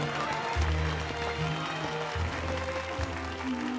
うん。